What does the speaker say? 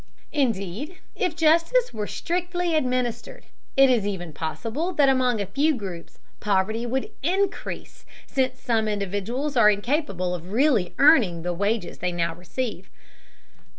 Indeed, if justice were strictly administered, it is even possible that among a few groups poverty would increase, since some individuals are incapable of really earning the wages they now receive.